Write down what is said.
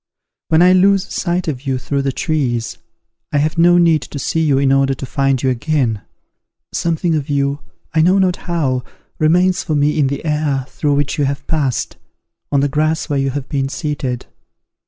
When I lose sight of you through the trees, I have no need to see you in order to find you again. Something of you, I know not how, remains for me in the air through which you have passed, on the grass where you have been seated.